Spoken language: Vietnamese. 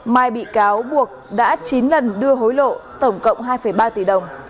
mai bị cáo buộc đã chín lần đưa hối lộ tổng cộng hai ba tỷ đồng